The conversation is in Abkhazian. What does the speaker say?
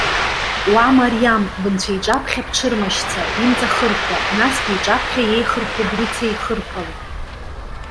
Уа, Мариам! Бынцәа иҿаԥхьа бҽырмашьца, бимҵахырхәа, насгьы иҿаԥхьа иеихырхәо брыцеихырхәала.